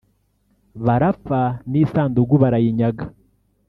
barapfa n’isanduku barayinyaga